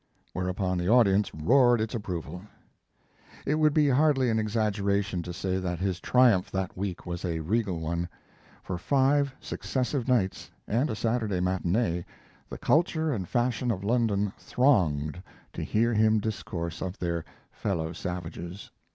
Whereupon the audience roared its approval. It would be hardly an exaggeration to say that his triumph that week was a regal one. For five successive nights and a Saturday matinee the culture and fashion of London thronged to hear him discourse of their "fellow savages."